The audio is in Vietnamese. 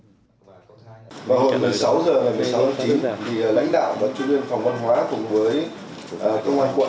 hồi một mươi sáu h một mươi sáu h chín lãnh đạo và chủ viên phòng văn hóa cùng với công an quận